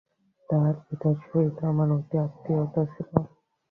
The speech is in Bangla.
তাহার পিতার সহিত আমার অতি আত্মীয়তা ছিল।